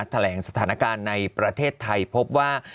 แถลงสถานการณ์ในประเทศไทยพบว่า